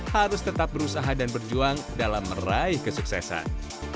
harus tetap berusaha dan berjuang dalam meraih kesuksesan